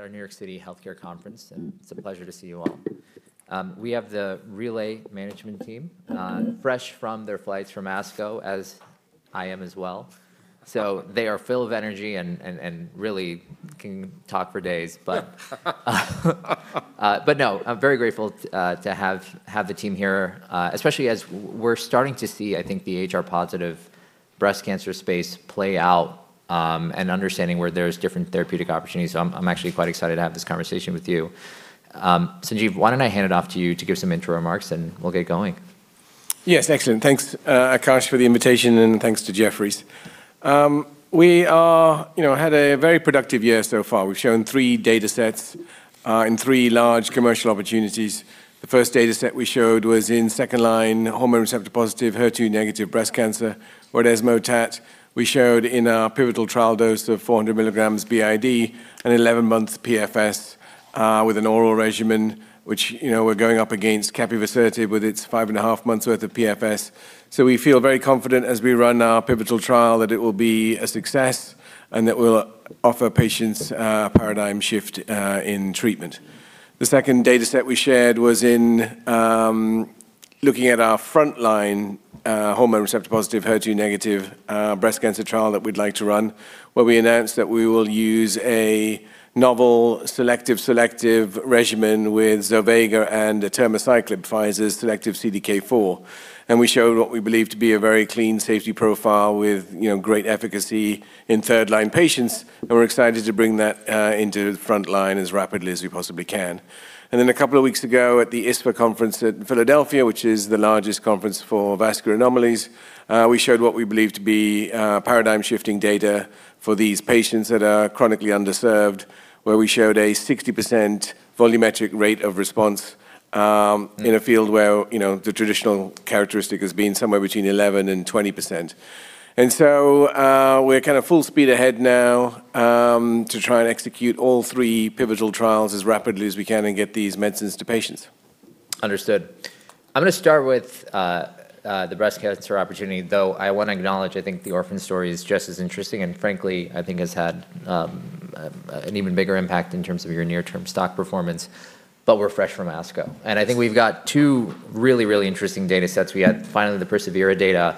Our New York City Healthcare Conference. It's a pleasure to see you all. We have the Relay management team fresh from their flights from ASCO, as I am as well. They are filled with energy and really can talk for days. I'm very grateful to have the team here, especially as we're starting to see, I think, the HR-positive breast cancer space play out and understanding where there's different therapeutic opportunities. I'm actually quite excited to have this conversation with you. Sanjiv, why don't I hand it off to you to give some intro remarks. We'll get going. Yes, excellent. Thanks, Akash, for the invitation, and thanks to Jefferies. We had a very productive year so far. We've shown three data sets in three large commercial opportunities. The first data set we showed was in second-line hormone receptor-positive, HER2-negative breast cancer, where zovegalisib, we showed in our pivotal trial dose of 400 mg BID, an 11-month PFS with an oral regimen, which we're going up against capivasertib with its five and a half months worth of PFS. We feel very confident as we run our pivotal trial that it will be a success and that will offer patients a paradigm shift in treatment. The second data set we shared was in looking at our frontline hormone receptor-positive, HER2-negative breast cancer trial that we'd like to run, where we announced that we will use a novel selective regimen with Zovega and atirmociclib, Pfizer's selective CDK4. We showed what we believe to be a very clean safety profile with great efficacy in third-line patients, and we're excited to bring that into the frontline as rapidly as we possibly can. A couple of weeks ago at the ISSVA conference in Philadelphia, which is the largest conference for vascular anomalies, we showed what we believe to be paradigm-shifting data for these patients that are chronically underserved, where we showed a 60% volumetric rate of response in a field where the traditional characteristic has been somewhere between 11% and 20%. We're full speed ahead now to try and execute all three pivotal trials as rapidly as we can and get these medicines to patients. Understood. I'm going to start with the breast cancer opportunity, though I want to acknowledge, I think the orphan story is just as interesting, and frankly, I think has had an even bigger impact in terms of your near-term stock performance. We're fresh from ASCO. I think we've got two really, really interesting data sets. We got finally the persevERA data,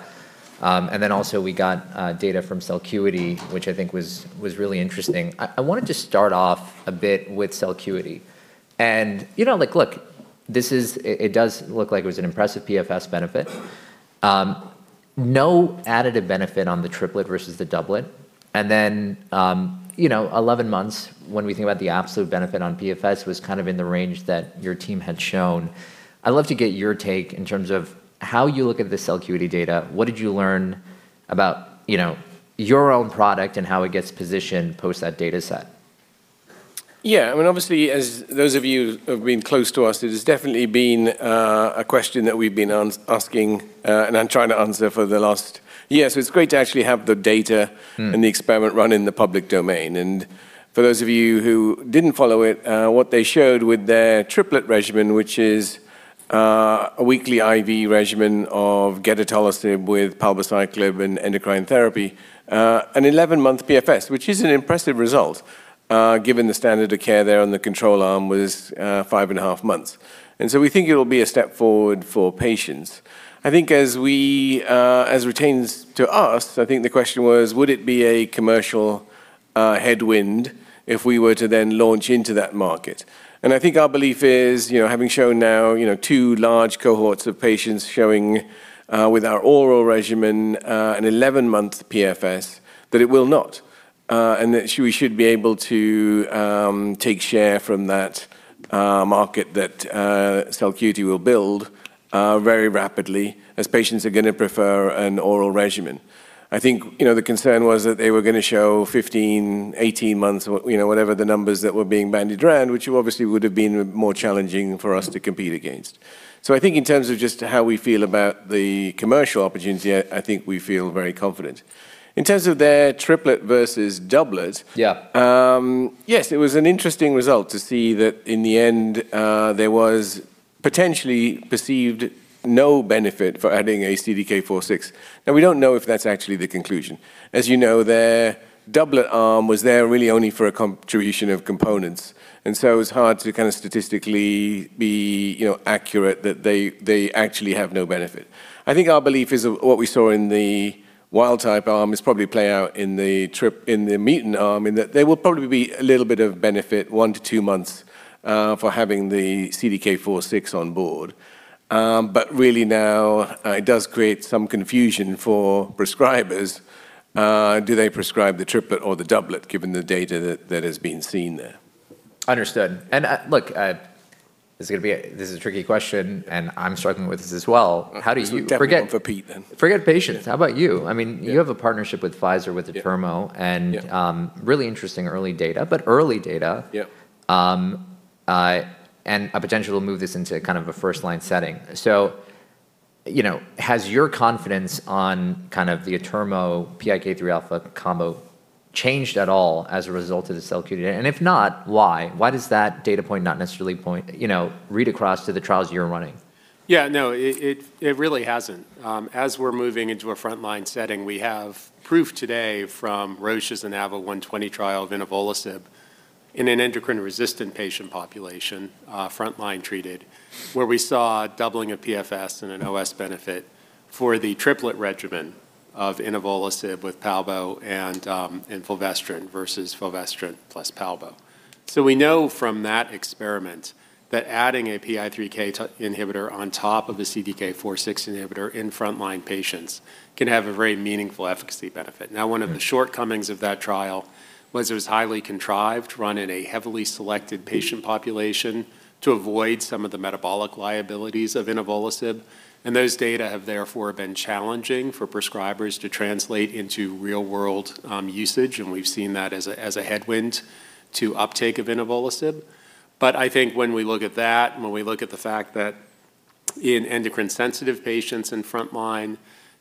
and then also we got data from Celcuity, which I think was really interesting. I wanted to start off a bit with Celcuity. Look, it does look like it was an impressive PFS benefit. No additive benefit on the triplet versus the doublet. Then 11 months, when we think about the absolute benefit on PFS, was in the range that your team had shown. I'd love to get your take in terms of how you look at the Celcuity data. What did you learn about your own product and how it gets positioned post that data set? Yeah. Obviously, as those of you who have been close to us, it has definitely been a question that we've been asking and trying to answer for the last year. It's great to actually have the data. The experiment run in the public domain. For those of you who didn't follow it, what they showed with their triplet regimen, which is a weekly IV regimen of gedatolisib with palbociclib and endocrine therapy, an 11-month PFS, which is an impressive result, given the standard of care there on the control arm was five and a half months. We think it'll be a step forward for patients. I think as pertains to us, I think the question was: would it be a commercial headwind if we were to then launch into that market? I think our belief is, having shown now two large cohorts of patients showing with our oral regimen an 11-month PFS, that it will not, and that we should be able to take share from that market that Celcuity will build very rapidly as patients are going to prefer an oral regimen. I think the concern was that they were going to show 15, 18 months, whatever the numbers that were being bandied around, which obviously would have been more challenging for us to compete against. I think in terms of just how we feel about the commercial opportunity, I think we feel very confident. In terms of their triplet versus doublet. Yeah. It was an interesting result to see that in the end, there was potentially perceived no benefit for adding a CDK4/6. We don't know if that's actually the conclusion. As you know, their doublet arm was there really only for a contribution of components. It was hard to statistically be accurate that they actually have no benefit. I think our belief is what we saw in the wild type arm is probably play out in the mutant arm in that there will probably be a little bit of benefit one to two months for having the CDK4/6 on board. Really now it does create some confusion for prescribers. Do they prescribe the triplet or the doublet given the data that has been seen there? Understood. Look, this is a tricky question, and I'm struggling with this as well. This one's definitely one for Peter then- Forget patients. How about you? You have a partnership with Pfizer, with atirmociclib. Yeah. Really interesting early data, but early data. Yep. A potential to move this into a first-line setting. Has your confidence on the atirmociclib PI3K-alpha combo changed at all as a result of the Celcuity data? If not, why? Why does that data point not necessarily read across to the trials you're running? Yeah, no, it really hasn't. As we're moving into a frontline setting, we have proof today from Roche's INAVO120 trial of inavolisib in an endocrine-resistant patient population, frontline treated, where we saw a doubling of PFS and an OS benefit for the triplet regimen of inavolisib with palbo and fulvestrant versus fulvestrant plus palbo. We know from that experiment that adding a PI3K inhibitor on top of a CDK4/6 inhibitor in frontline patients can have a very meaningful efficacy benefit. Now, one of the shortcomings of that trial was it was highly contrived, run in a heavily selected patient population to avoid some of the metabolic liabilities of inavolisib, and those data have therefore been challenging for prescribers to translate into real-world usage, and we've seen that as a headwind to uptake of inavolisib. I think when we look at that, when we look at the fact that in endocrine-sensitive patients in frontline,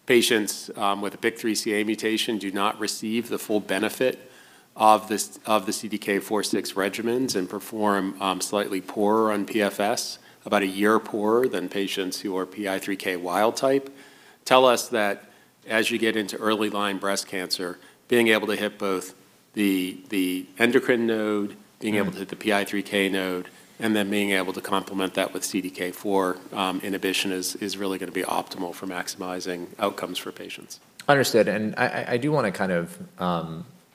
patients with a PIK3CA mutation do not receive the full benefit of the CDK4/6 regimens and perform slightly poorer on PFS, about a year poorer than patients who are PI3K wild type, tell us that as you get into early-line breast cancer, being able to hit both the endocrine node, being able to hit the PI3K node, and then being able to complement that with CDK4 inhibition is really going to be optimal for maximizing outcomes for patients. Understood. I do want to kind of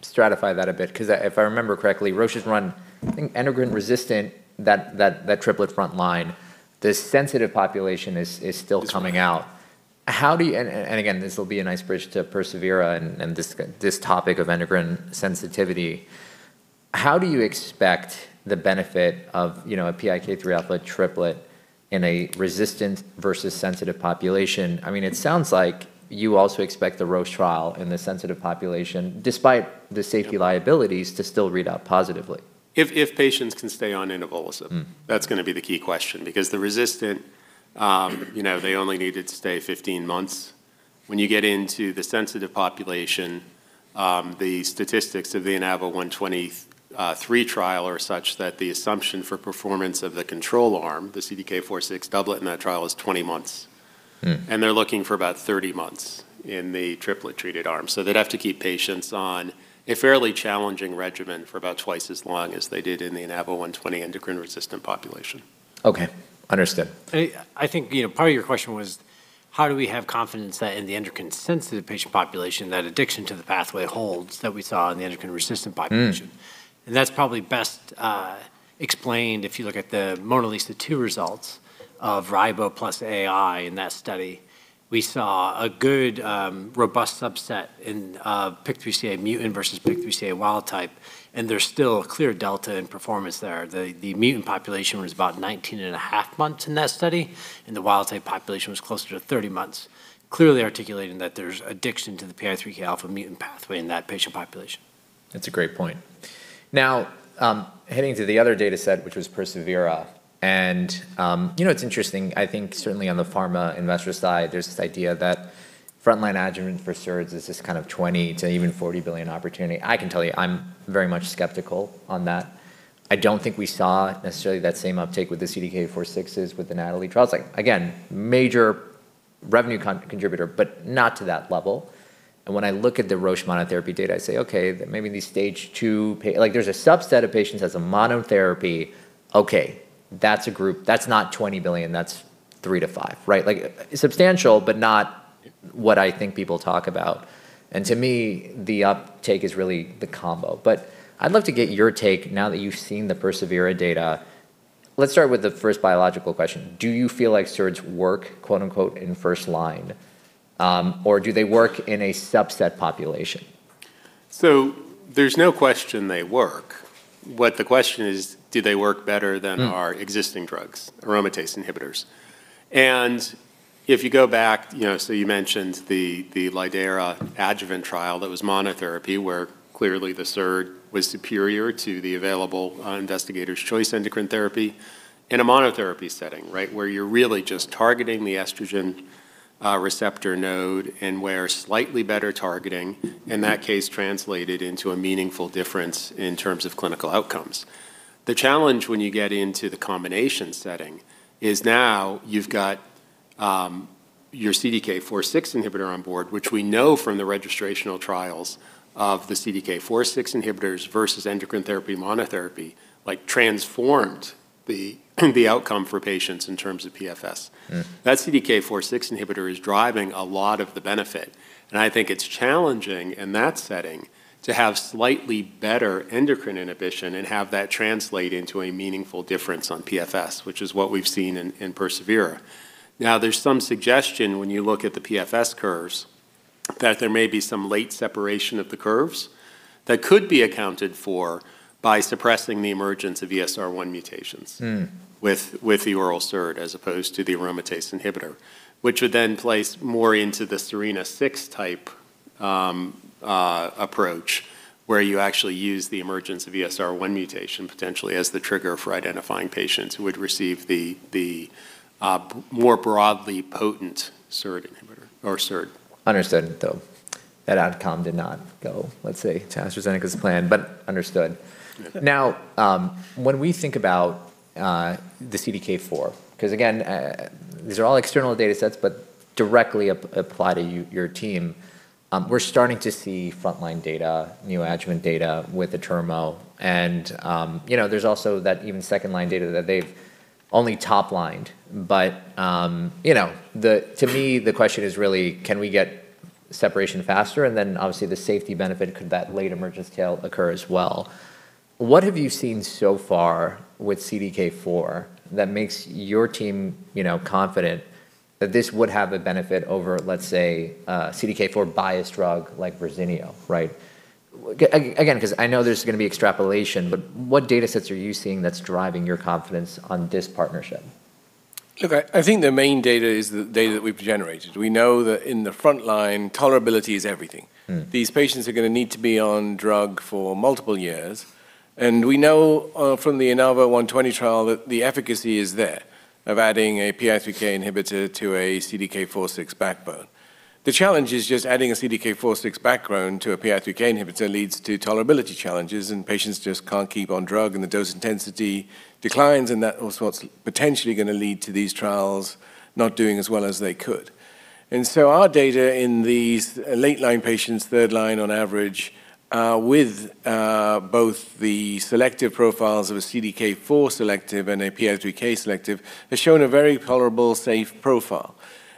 stratify that a bit because if I remember correctly, Roche has run, I think, endocrine-resistant, that triplet frontline. The sensitive population is still coming out. Again, this will be a nice bridge to PERSEVERA and this topic of endocrine-sensitivity. How do you expect the benefit of a PIK3 triplet in a resistant versus sensitive population? It sounds like you also expect the Roche trial in the sensitive population, despite the safety liabilities, to still read out positively. If patients can stay on inavolisib. That's going to be the key question because the resistant, they only needed to stay 15 months. When you get into the sensitive population, the statistics of the INAVO123 trial are such that the assumption for performance of the control arm, the CDK4/6 doublet in that trial is 20 months. They're looking for about 30 months in the triplet-treated arm. They'd have to keep patients on a fairly challenging regimen for about twice as long as they did in the INAVO120 endocrine-resistant population. Okay. Understood. I think part of your question was how do we have confidence that in the endocrine-sensitive patient population, that addiction to the pathway holds that we saw in the endocrine-resistant population. That's probably best explained if you look at the MONALEESA-2 results of ribociclib plus AI in that study. We saw a good, robust subset in PIK3CA mutant versus PIK3CA wild type, and there's still a clear delta in performance there. The mutant population was about 19.5 months in that study, and the wild type population was closer to 30 months. Clearly articulating that there's addiction to the PI3K-alpha mutant pathway in that patient population. That's a great point. Heading to the other data set, which was PERSEVERA. It's interesting. I think certainly on the pharma investor side, there's this idea that frontline adjuvant for SERDs is this kind of $20 billion to even $40 billion opportunity. I can tell you, I'm very much skeptical on that. I don't think we saw necessarily that same uptake with the CDK4/6s with the NATALEE trials. Major revenue contributor, but not to that level. When I look at the Roche monotherapy data, I say, "Okay, maybe these stage two, there's a subset of patients as a monotherapy. Okay, that's a group. That's not $20 billion, that's $3 billion-$5 billion." Substantial, but not what I think people talk about. To me, the uptake is really the combo. I'd love to get your take now that you've seen the PERSEVERA data. Let's start with the first biological question. Do you feel like SERDs work, quote-unquote, "in first line" or do they work in a subset population? There's no question they work. What the question is, do they work better than our existing drugs, aromatase inhibitors? If you go back, you mentioned the LEADER trial that was monotherapy, where clearly the SERD was superior to the available investigator's choice endocrine therapy in a monotherapy setting, where you're really just targeting the estrogen receptor node and where slightly better targeting, in that case, translated into a meaningful difference in terms of clinical outcomes. The challenge when you get into the combination setting is now you've got your CDK4/6 inhibitor on board, which we know from the registrational trials of the CDK4/6 inhibitors versus endocrine therapy monotherapy transformed the outcome for patients in terms of PFS. That CDK4/6 inhibitor is driving a lot of the benefit. I think it's challenging in that setting to have slightly better endocrine inhibition and have that translate into a meaningful difference on PFS, which is what we've seen in persevERA. There's some suggestion when you look at the PFS curves that there may be some late separation of the curves that could be accounted for by suppressing the emergence of ESR1 mutations. With the oral SERD as opposed to the aromatase inhibitor. Which would then place more into the SERENA-6 type approach, where you actually use the emergence of ESR1 mutation potentially as the trigger for identifying patients who would receive the more broadly potent SERD inhibitor or SERD. Understood Don. That outcome did not go, let's say, to AstraZeneca's plan. Understood. When we think about the CDK4, because again, these are all external data sets, directly apply to your team. We're starting to see frontline data, new adjuvant data with the atirmociclib. There's also that even second-line data that they've only top-lined. To me, the question is really can we get separation faster? Obviously the safety benefit, could that late emergence tail occur as well? What have you seen so far with CDK4 that makes your team confident that this would have a benefit over, let's say, a CDK4-biased drug like VERZENIO? Again, because I know there's going to be extrapolation, what data sets are you seeing that's driving your confidence on this partnership? Look, I think the main data is the data that we've generated. We know that in the frontline, tolerability is everything. These patients are going to need to be on drug for multiple years. We know from the INAVO120 trial that the efficacy is there, of adding a PI3K inhibitor to a CDK4/6 backbone. The challenge is just adding a CDK4/6 backbone to a PI3K inhibitor leads to tolerability challenges, and patients just can't keep on drug and the dose intensity declines, and that is what's potentially going to lead to these trials not doing as well as they could. Our data in these late-line patients, third line on average, with both the selective profiles of a CDK4 selective and a PI3K selective, has shown a very tolerable, safe profile.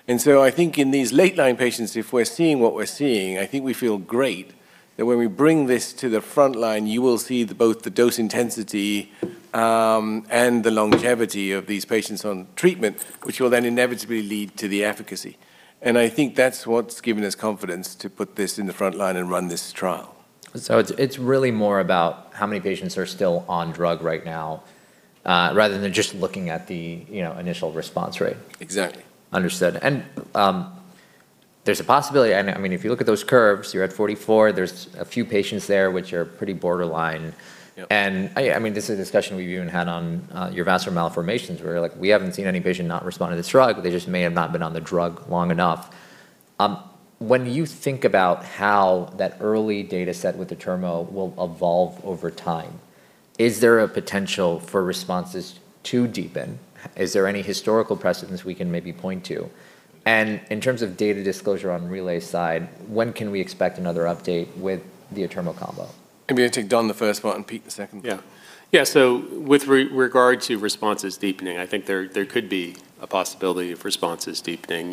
I think in these late-line patients, if we're seeing what we're seeing, I think we feel great that when we bring this to the frontline, you will see both the dose intensity and the longevity of these patients on treatment, which will then inevitably lead to the efficacy. I think that's what's given us confidence to put this in the frontline and run this trial. It's really more about how many patients are still on drug right now, rather than just looking at the initial response rate. Exactly. Understood. There's a possibility, if you look at those curves, you're at 44. There's a few patients there which are pretty borderline. Yep. This is a discussion we've even had on your vascular malformations where you're like, "We haven't seen any patient not respond to this drug. They just may have not been on the drug long enough." When you think about how that early data set with the atirmociclib will evolve over time, is there a potential for responses to deepen? Is there any historical precedence we can maybe point to? In terms of data disclosure on Relay's side, when can we expect another update with the atirmociclib combo? Maybe I'll take Don the first part and Peter the second part. Yeah. With regard to responses deepening, I think there could be a possibility of responses deepening.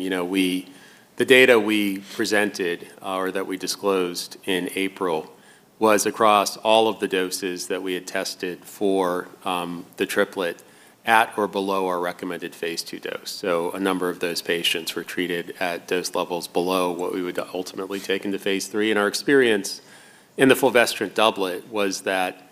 The data we presented or that we disclosed in April was across all of the doses that we had tested for the triplet at or below our recommended phase II dose. A number of those patients were treated at dose levels below what we would ultimately take into phase III. Our experience in the fulvestrant doublet was that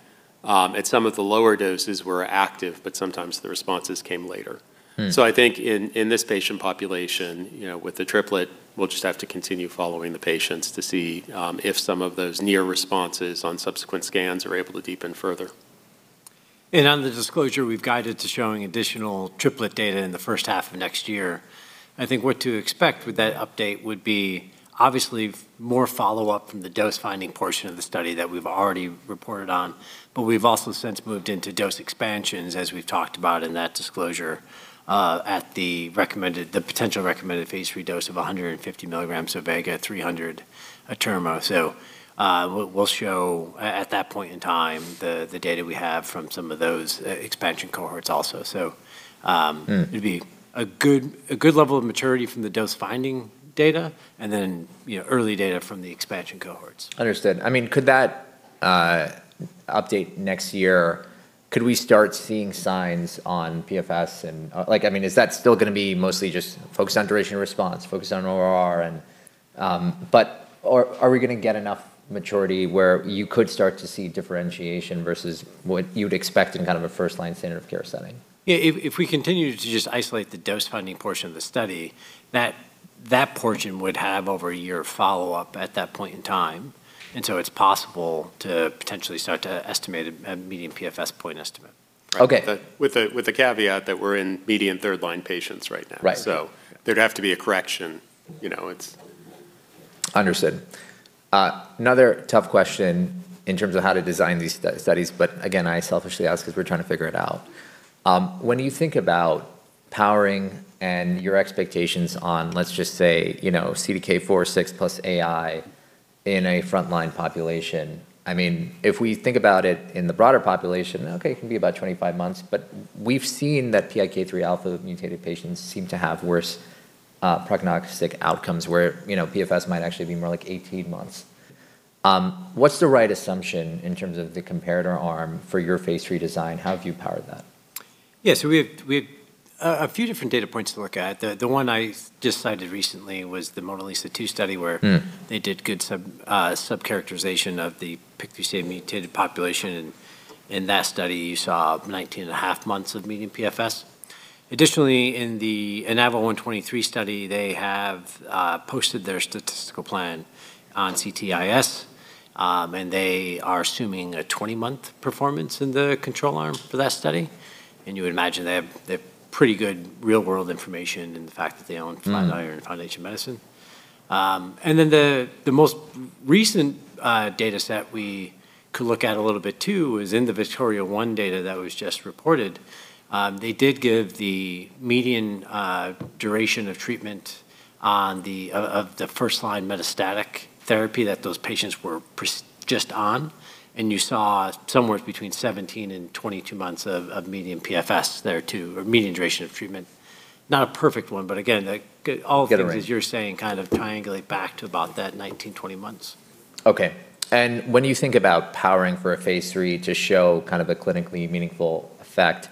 at some of the lower doses were active, but sometimes the responses came later. I think in this patient population with the triplet, we'll just have to continue following the patients to see if some of those near responses on subsequent scans are able to deepen further. On the disclosure, we've guided to showing additional triplet data in the first half of next year. I think what to expect with that update would be obviously more follow-up from the dose-finding portion of the study that we've already reported on. We've also since moved into dose expansions, as we've talked about in that disclosure, at the potential recommended phase III dose of 150 mg of Vega, 300 atirmo. We'll show, at that point in time, the data we have from some of those expansion cohorts also. It'd be a good level of maturity from the dose-finding data and then early data from the expansion cohorts. Understood. Could that update next year, could we start seeing signs on PFS, and is that still going to be mostly just focused on duration response, focused on ORR? Are we going to get enough maturity where you could start to see differentiation versus what you would expect in a first-line standard of care setting? If we continue to just isolate the dose-finding portion of the study, that portion would have over a year of follow-up at that point in time, and so it's possible to potentially start to estimate a median PFS point estimate. Okay. With the caveat that we're in median third-line patients right now. Right. There'd have to be a correction. Understood. Another tough question in terms of how to design these studies, but again, I selfishly ask because we're trying to figure it out. When you think about powering and your expectations on, let's just say, CDK4/6 plus AI in a frontline population, if we think about it in the broader population, okay, it can be about 25 months, but we've seen that PI3K-alpha mutated patients seem to have worse prognostic outcomes where PFS might actually be more like 18 months. What's the right assumption in terms of the comparator arm for your phase III design? How have you powered that? Yeah. We have a few different data points to look at. The one I just cited recently was the MONALEESA-2 study. they did good sub-characterization of the PIK3CA mutated population, and in that study you saw 19.5 months of median PFS. Additionally, in the INAVO123 study, they have posted their statistical plan on CTIS. They are assuming a 20-month performance in the control arm for that study. You would imagine they have pretty good real-world information in the fact that they own Flatiron, Foundation Medicine. The most recent data set we could look at a little bit too is in the VIKTORIA-1 data that was just reported. They did give the median duration of treatment of the first-line metastatic therapy that those patients were just on, and you saw somewhere between 17 and 22 months of median PFS there too, or median duration of treatment. Not a perfect one, but again- Get it right. All things as you're saying, kind of triangulate back to about that 19, 20 months. Okay. When you think about powering for a phase III to show a clinically meaningful effect,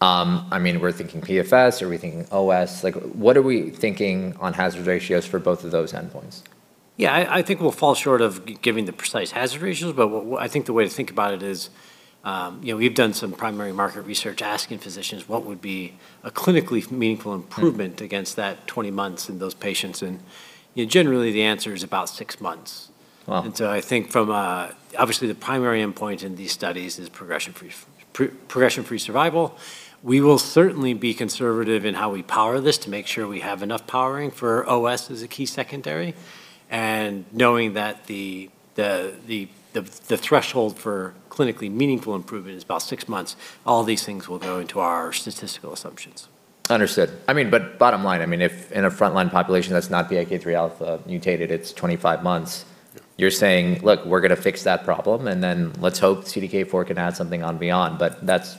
we're thinking PFS, are we thinking OS? What are we thinking on hazard ratios for both of those endpoints? Yeah. I think we'll fall short of giving the precise hazard ratios, but I think the way to think about it is we've done some primary market research asking physicians what would be a clinically meaningful improvement against that 20 months in those patients, and generally the answer is about six months. Wow. I think obviously the primary endpoint in these studies is progression-free survival. We will certainly be conservative in how we power this to make sure we have enough powering for OS as a key secondary, and knowing that the threshold for clinically meaningful improvement is about six months, all these things will go into our statistical assumptions. Understood. Bottom line, if in a frontline population that's not PI3K-alpha mutated, it's 25 months. You're saying, "Look, we're going to fix that problem, and then let's hope CDK4 can add something on beyond."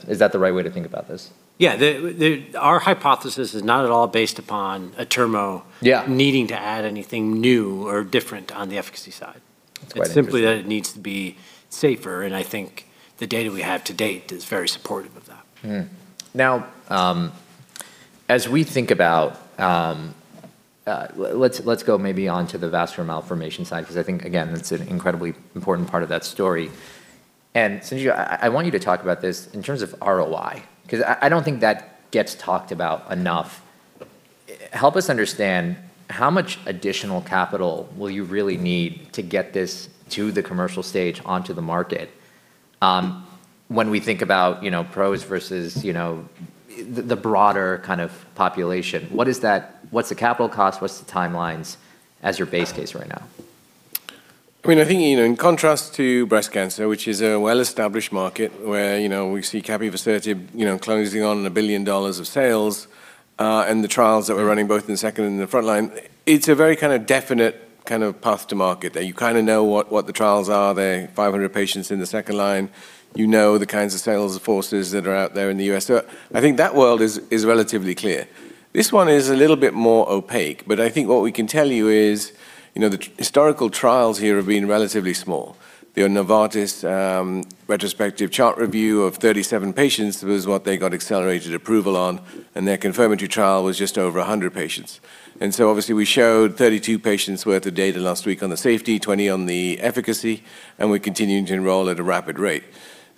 Is that the right way to think about this? Yeah. Our hypothesis is not at all based upon atirmo- Yeah. needing to add anything new or different on the efficacy side. That's quite interesting. It's simply that it needs to be safer, and I think the data we have to date is very supportive of that. Let's go maybe on to the vascular malformation side, because I think, again, that's an incredibly important part of that story. Sanjiv, I want you to talk about this in terms of ROI, because I don't think that gets talked about enough. Help us understand how much additional capital will you really need to get this to the commercial stage onto the market? When we think about PROS versus the broader kind of population, what's the capital cost, what's the timelines as your base case right now? I think, in contrast to breast cancer, which is a well-established market where we see capivasertib closing on $1 billion of sales, and the trials that we're running both in the second and the frontline, it's a very definite path to market. You kind of know what the trials are. There are 500 patients in the second line. You know the kinds of sales forces that are out there in the U.S. I think that world is relatively clear. This one is a little bit more opaque, but I think what we can tell you is the historical trials here have been relatively small. The Novartis retrospective chart review of 37 patients was what they got accelerated approval on, and their confirmatory trial was just over 100 patients. Obviously we showed 32 patients' worth of data last week on the safety, 20 on the efficacy, and we're continuing to enroll at a rapid rate.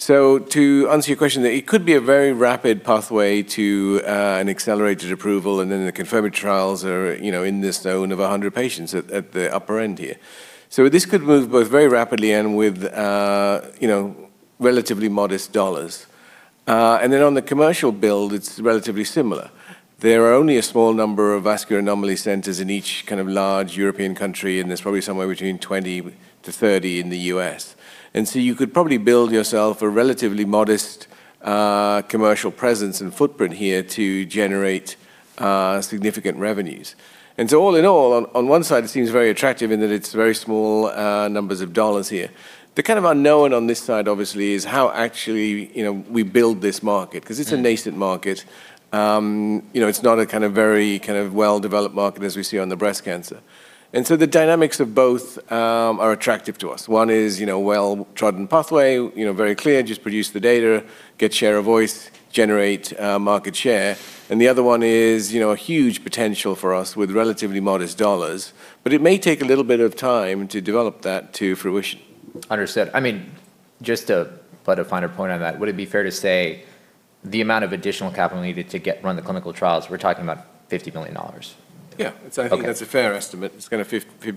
To answer your question, it could be a very rapid pathway to an accelerated approval, and the confirmatory trials are in this zone of 100 patients at the upper end here. This could move both very rapidly and with relatively modest dollars. On the commercial build, it's relatively similar. There are only a small number of vascular anomaly centers in each large European country, and there's probably somewhere between 20-30 in the U.S. You could probably build yourself a relatively modest commercial presence and footprint here to generate significant revenues. All in all, on one side it seems very attractive in that it's very small numbers of dollars here. The unknown on this side, obviously, is how actually we build this market, because it's a nascent market. It's not a very well-developed market as we see on the breast cancer. The dynamics of both are attractive to us. One is well-trodden pathway, very clear, just produce the data, get share of voice, generate market share, and the other one is a huge potential for us with relatively modest dollars. It may take a little bit of time to develop that to fruition. Understood. Just to put a finer point on that, would it be fair to say the amount of additional capital needed to run the clinical trials, we're talking about $50 million? Yeah. Okay. I think that's a fair estimate. It's going to $50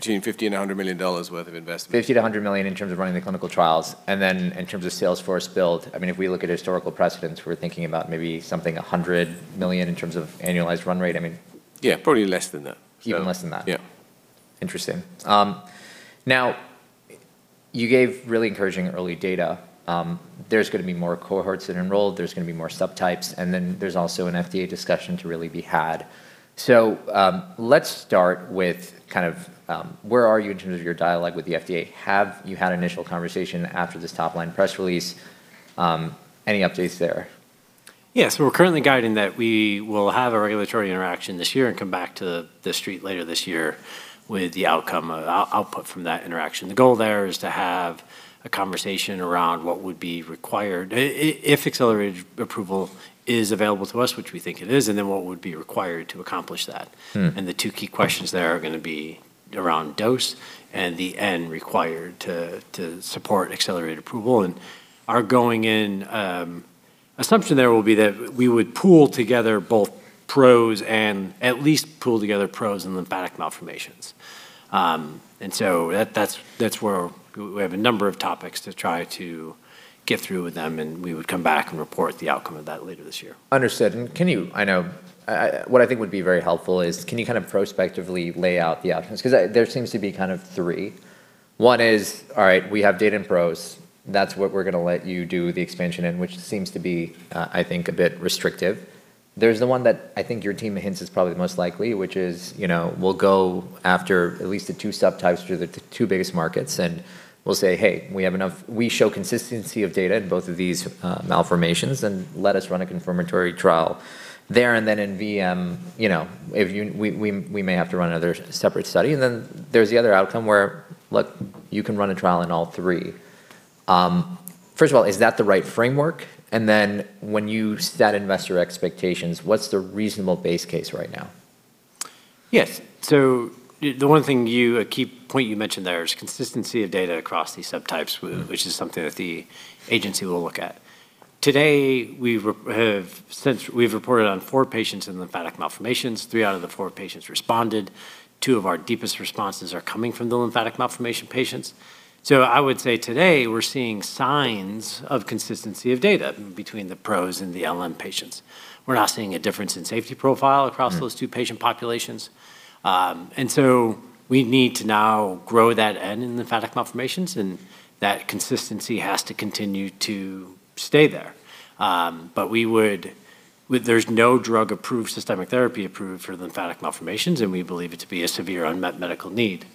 million and $100 million worth of investment. $50 million-$100 million in terms of running the clinical trials, and then in terms of sales force build, if we look at historical precedents, we're thinking about maybe something $100 million in terms of annualized run rate. Yeah, probably less than that. Even less than that? Yeah. Interesting. Now, you gave really encouraging early data. There's going to be more cohorts that enroll, there's going to be more subtypes, there's also an FDA discussion to really be had. Let's start with where are you in terms of your dialogue with the FDA? Have you had initial conversation after this top-line press release? Any updates there? Yeah. We're currently guiding that we will have a regulatory interaction this year and come back to the Street later this year with the outcome or output from that interaction. The goal there is to have a conversation around what would be required if accelerated approval is available to us, which we think it is, and then what would be required to accomplish that. The two key questions there are going to be around dose and the N required to support accelerated approval, and are going in assumption there will be that we would pool together both PROS and at least pool together PROS and lymphatic malformations. That's where we have a number of topics to try to get through with them, and we would come back and report the outcome of that later this year. Understood. What I think would be very helpful is can you kind of prospectively lay out the outcomes? There seems to be three. One is, all right, we have data in PROS. That's what we're going to let you do the expansion in, which seems to be, I think, a bit restrictive. There's the one that I think your team hints is probably the most likely, which is we'll go after at least the two subtypes or the two biggest markets, and we'll say, "Hey, we show consistency of data in both of these malformations, and let us run a confirmatory trial there." Then in VM, we may have to run another separate study. Then there's the other outcome where, look, you can run a trial in all three. First of all, is that the right framework? When you set investor expectations, what's the reasonable base case right now? Yes. The one thing, a key point you mentioned there is consistency of data across these subtypes, which is something that the agency will look at. Today, we've reported on four patients in lymphatic malformations. Three out of the four patients responded. Two of our deepest responses are coming from the lymphatic malformation patients. I would say today we're seeing signs of consistency of data between the PROS and the LM patients. We're not seeing a difference in safety profile across those two patient populations. We need to now grow that end in lymphatic malformations, and that consistency has to continue to stay there. There's no drug-approved systemic therapy approved for lymphatic malformations, and we believe it to be a severe unmet medical need.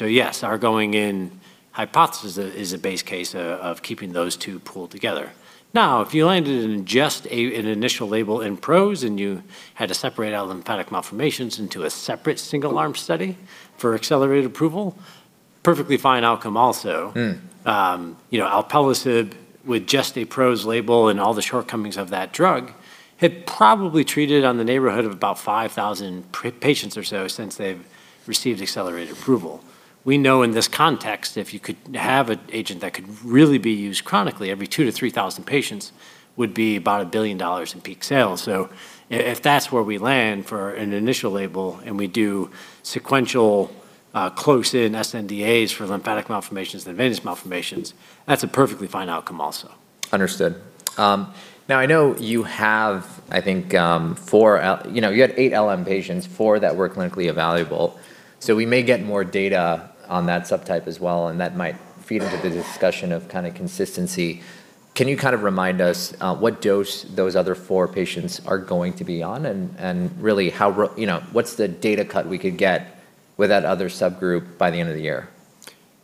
Yes, our going-in hypothesis is a base case of keeping those two pooled together. Now, if you landed in just an initial label in PROS and you had to separate out lymphatic malformations into a separate single-arm study for accelerated approval, perfectly fine outcome also. Alpelisib with just a PROS label and all the shortcomings of that drug had probably treated on the neighborhood of about 5,000 patients or so since they've received accelerated approval. We know in this context, if you could have an agent that could really be used chronically, every 2,000-3,000 patients would be about $1 billion in peak sales. If that's where we land for an initial label and we do sequential close-in sNDA for lymphatic malformations and venous malformations, that's a perfectly fine outcome also. Understood. Now I know you had eight LM patients, four that were clinically evaluable. We may get more data on that subtype as well, and that might feed into the discussion of consistency. Can you remind us what dose those other four patients are going to be on, and really, what's the data cut we could get with that other subgroup by the end of the year?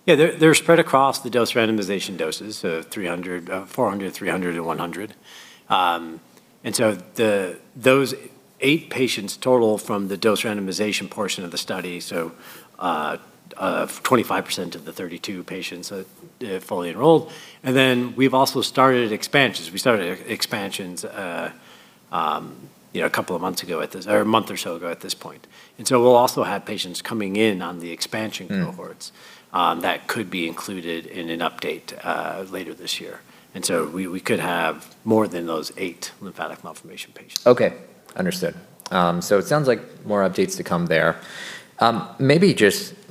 Yeah. They're spread across the dose randomization doses, so 400 mg, 300 mg, and 100 mg. Those eight patients total from the dose randomization portion of the study, so 25% of the 32 patients fully enrolled. We've also started expansions. We started expansions a month or so ago at this point. We'll also have patients coming in on the expansion cohorts that could be included in an update later this year. We could have more than those eight lymphatic malformation patients. Okay. Understood. It sounds like more updates to come there.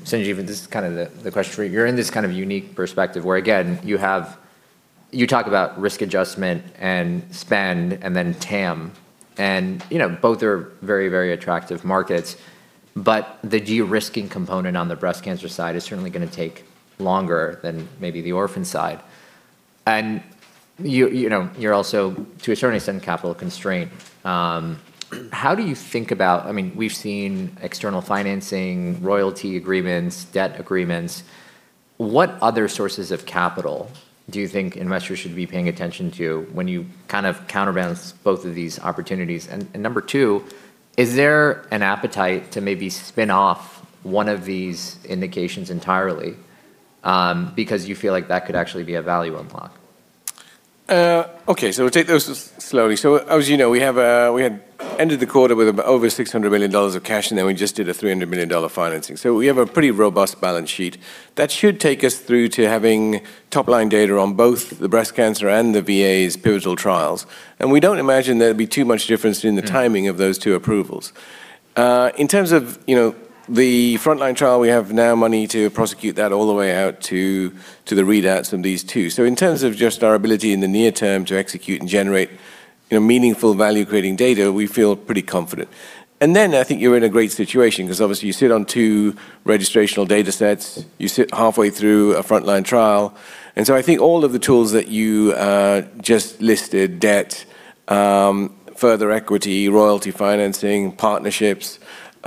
Sanjiv, this is the question for you. You're in this unique perspective where, again, you talk about risk adjustment and spend then TAM. Both are very, very attractive markets, but the de-risking component on the breast cancer side is certainly going to take longer than maybe the orphan side. You're also, to a certain extent, capital constrained. How do you think about, we've seen external financing, royalty agreements, debt agreements. What other sources of capital do you think investors should be paying attention to when you counterbalance both of these opportunities? Number two, is there an appetite to maybe spin off one of these indications entirely because you feel like that could actually be a value unlock? Okay, we'll take those slowly. As you know, we had ended the quarter with over $600 million of cash, and then we just did a $300 million financing. We have a pretty robust balance sheet that should take us through to having top-line data on both the breast cancer and the VAs pivotal trials. We don't imagine there'll be too much difference between the timing of those two approvals. In terms of the frontline trial, we have now money to prosecute that all the way out to the readouts from these two. In terms of just our ability in the near term to execute and generate meaningful value-creating data, we feel pretty confident. I think you're in a great situation because obviously you sit on two registrational data sets. You sit halfway through a frontline trial. I think all of the tools that you just listed, debt, further equity, royalty financing, partnerships,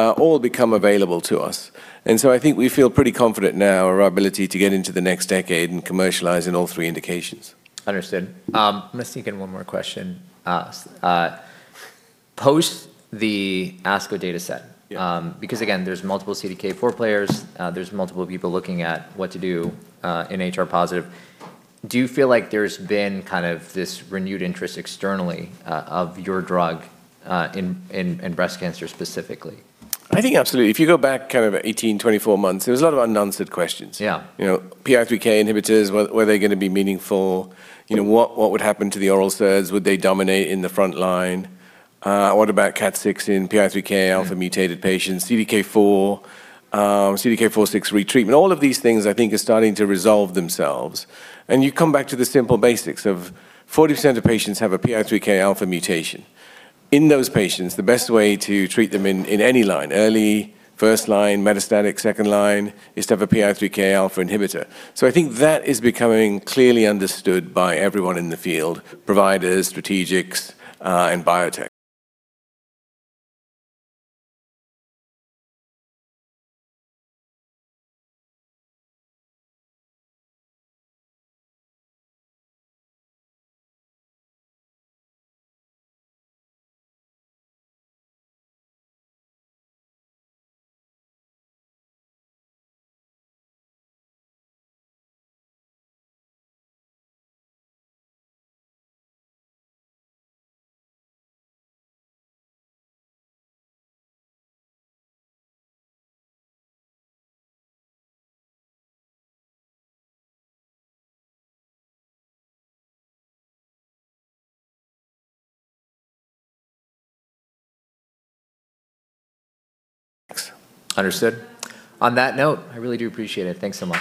all become available to us. I think we feel pretty confident now of our ability to get into the next decade and commercialize in all three indications. Understood. I'm going to sneak in one more question. Post the ASCO data set, because again, there's multiple CDK4 players, there's multiple people looking at what to do in HR positive, do you feel like there's been this renewed interest externally of your drug in breast cancer specifically? I think absolutely. If you go back 18, 24 months, there was a lot of unanswered questions. Yeah. PI3K inhibitors, were they going to be meaningful? What would happen to the oral SERDs? Would they dominate in the front line? What about CDK4/6 in PI3K alpha-mutated patients? CDK4/6 retreatment. All of these things I think are starting to resolve themselves, you come back to the simple basics of 40% of patients have a PI3K alpha mutation. In those patients, the best way to treat them in any line, early first line, metastatic second line, is to have a PI3K alpha inhibitor. I think that is becoming clearly understood by everyone in the field, providers, strategics, and biotech. Understood. On that note, I really do appreciate it. Thanks so much